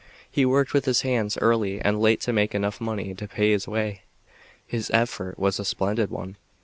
He worked with his hands early and late to make enough money to pay his way. His effort was a splendid one.